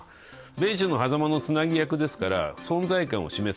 米中のはざまのつなぎ役ですから存在感を示す。